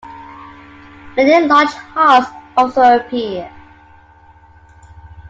Many large hearths also appear.